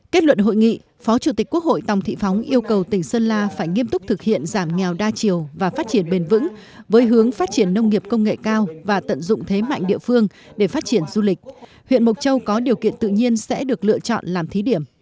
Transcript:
kết luận hội nghị phó chủ tịch quốc hội tòng thị phóng yêu cầu tỉnh sơn la phải nghiêm túc thực hiện giảm nghèo đa chiều và phát triển bền vững với hướng phát triển nông nghiệp công nghệ cao và tận dụng thế mạnh địa phương để phát triển du lịch huyện mộc châu có điều kiện tự nhiên sẽ được lựa chọn làm thí điểm